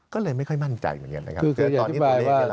ก็เลยไม่ค่อยมั่นใจเหมือนกันนะครับ